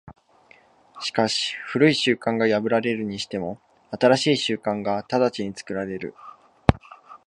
しかし旧い習慣が破られるにしても、新しい習慣が直ちに作られる。